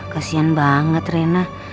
kasihan banget rena